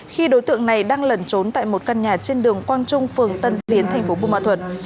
khi đối tượng này đang lẩn trốn tại một căn nhà trên đường quang trung phường tân tiến thành phố bùa ma thuật